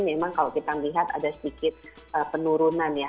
memang kalau kita melihat ada sedikit penurunan ya